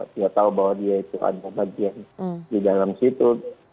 dia tahu bahwa dia itu ada bagian di dalam situ